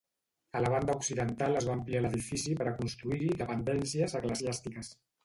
A la banda occidental es va ampliar l'edifici per a construir-hi dependències eclesiàstiques.